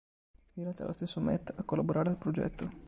In realtà è lo stesso Matt a collaborare al progetto.